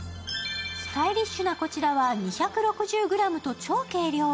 スタイリッシュなこちらは２６０ｇと超軽量。